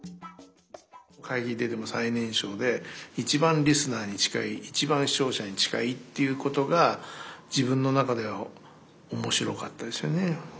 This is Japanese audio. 会議に出ても最年少で一番リスナーに近い一番視聴者に近いっていうことが自分の中では面白かったですよね。